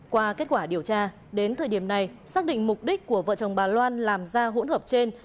qua kết quả điều tra đến thời điểm này xác định mục đích của vợ chồng bà loan làm ra hỗn hợp trên